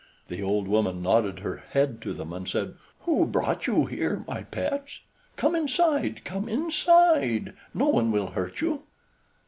The old woman nodded her head to them, and said: "Who brought you here, my pets? Come inside, come inside; no one will hurt you."